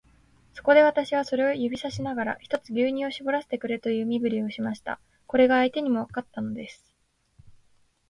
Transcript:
そこで、私はそれを指さしながら、ひとつ牛乳をしぼらせてくれという身振りをしました。これが相手にもわかったのです。